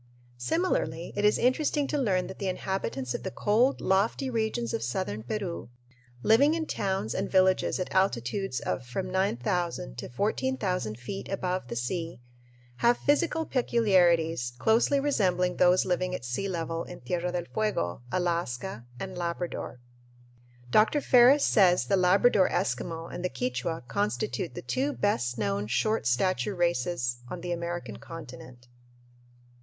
Similarly, it is interesting to learn that the inhabitants of the cold, lofty regions of southern Peru, living in towns and villages at altitudes of from 9000 to 14,000 feet above the sea, have physical peculiarities closely resembling those living at sea level in Tierra del Fuego, Alaska, and Labrador. Dr. Ferris says the Labrador Eskimo and the Quichua constitute the two "best known short stature races on the American continent."